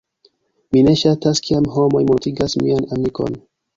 Mi ne ŝatas kiam homoj mortigas mian amikon.